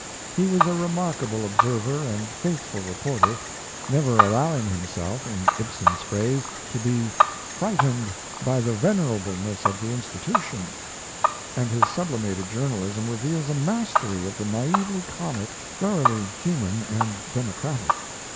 He was a remarkable observer and faithful reporter, never allowing himself, in Ibsen's phrase, to be "frightened by the venerableness of the institution"; and his sublimated journalism reveals a mastery of the naively comic thoroughly human and democratic.